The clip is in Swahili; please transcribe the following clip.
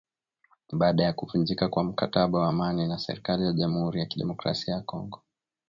baada ya kuvunjika kwa mkataba wa amani na serikali ya jamhuri ya kidemokrasia ya Kongo